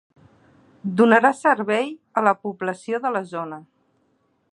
Donarà servei a la població de la zona.